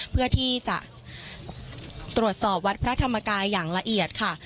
เพื่อที่จะตรวจสอบวัดพระธรรมกายอย่างละเอียดค่ะ